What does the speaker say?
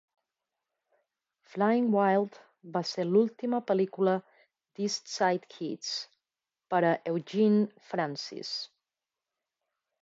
"Flying Wild" va ser l"última pel·lícula d"East Side Kids per a Eugene Francis.